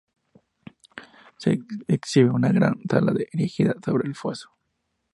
Se exhibe en una gran sala erigida sobre el foso.